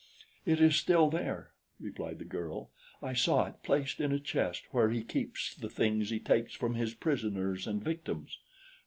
"It is still there," replied, the girl. "I saw it placed in a chest where he keeps the things he takes from his prisoners and victims."